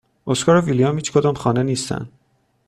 اسکار و ویلیام هیچکدام خانه نیستند.